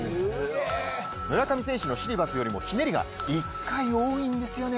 村上選手のシリバスよりもひねりが１回多いんですよね。